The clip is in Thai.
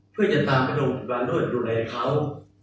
เพื่อจะตามไปโดมพิบันดูแลเขา